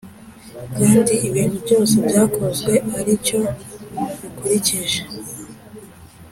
kandi ibintu byose byakozwe ari cyo bikurikije